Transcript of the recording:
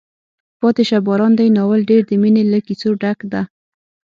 پاتې شه باران دی ناول ډېر د مینې له کیسو ډک ده.